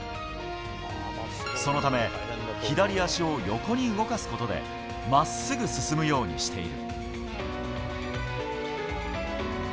そのため、左足を横に動かすことで真っすぐ進むようにしている。